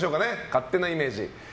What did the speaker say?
勝手なイメージ。